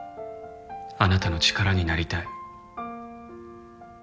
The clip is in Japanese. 「あなたの力になりたい」